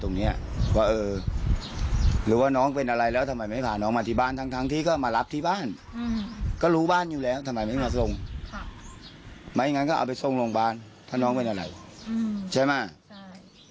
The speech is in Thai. ว่าเออหรือว่าน้องเป็นอะไรแล้วทำไมไม่พาน้องมาที่บ้านทั้งทั้งที่ก็มารับที่บ้านก็รู้บ้านอยู่แล้วทำไมไม่มาส่งค่ะไม่งั้นก็เอาไปส่งโรงพยาบาลถ้าน้องเป็นอะไรใช่ไหมใช่